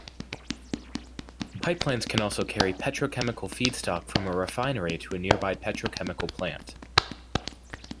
Pipelines can also carry petrochemical feedstock from a refinery to a nearby petrochemical plant.